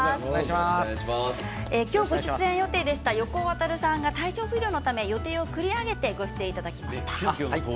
今日ご出演予定でした横尾渉さんが体調不良のため予定を繰り上げてご出演していただきました。